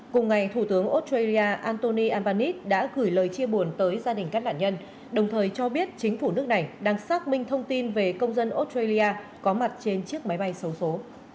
cùng ngày thủ tướng australia antoni albanese đã gửi lời chia buồn tới gia đình các nạn nhân đồng thời cho biết chính phủ nước này đang xác minh thông tin về công dân australia có mặt trên chiếc máy bay sâu số